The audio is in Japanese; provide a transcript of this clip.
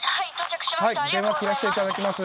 電話切らせて頂きます。